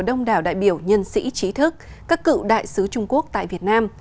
đông đảo đại biểu nhân sĩ trí thức các cựu đại sứ trung quốc tại việt nam